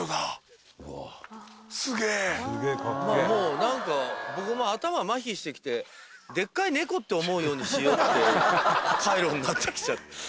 何か僕頭まひしてきてでっかい猫って思うようにしようって回路になって。